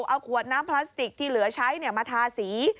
เอาขวดน้ำพลาสติกที่เหลือใช้มาทาสี